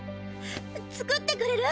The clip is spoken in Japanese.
作ってくれる？